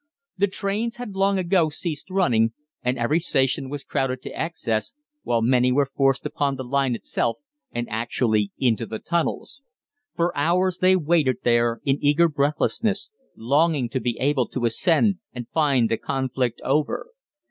The trains had long ago ceased running, and every station was crowded to excess, while many were forced upon the line itself, and actually into the tunnels. For hours they waited there in eager breathlessness, longing to be able to ascend and find the conflict over.